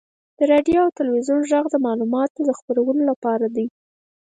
• د راډیو او تلویزیون ږغ د معلوماتو خپرولو لپاره دی.